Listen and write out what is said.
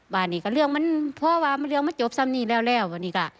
ว่านี่ก็เรื่องมันพ่อว่ามันเรื่องมันจบสำนีย์แล้วนี่ค่ะ